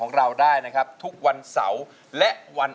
เพลงที่เจ็ดเพลงที่แปดแล้วมันจะบีบหัวใจมากกว่านี้